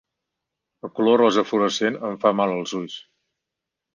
El color rosa fluorescent em fa mal als ulls.